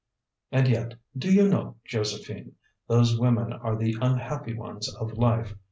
"And yet, do you know, Josephine, those women are the unhappy ones of life.